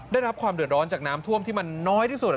ได้รับความเดือดร้อนจากน้ำท่วมที่มันน้อยที่สุด